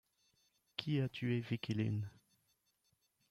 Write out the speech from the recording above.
Qui a tué Vicky Lynn?